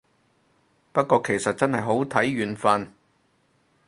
不過其實真係好睇緣份